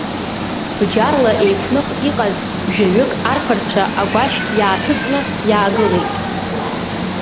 Бџьарла еиқәных иҟаз жәаҩык арԥарцәа агәашә иааҭыҵны иаагылеит.